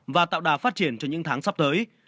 và tạo đà phát triển cho những tháng sắp tới